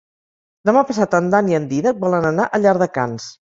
Demà passat en Dan i en Dídac volen anar a Llardecans.